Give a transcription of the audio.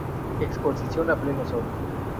Exposición a pleno sol.